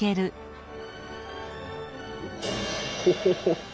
ホホホ！